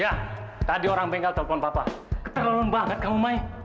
yah tadi orang bengkel telpon papa keterlaluan banget kamu may